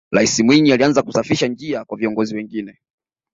raisi mwinyi alianza kusafisha njia kwa viongozi wengine